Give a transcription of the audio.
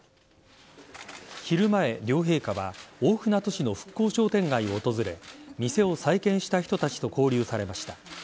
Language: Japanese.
昼前、両陛下は大船渡市の復興商店街を訪れ店を再建した人たちと交流されました。